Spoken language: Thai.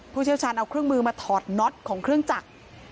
เชี่ยวชาญเอาเครื่องมือมาถอดน็อตของเครื่องจักร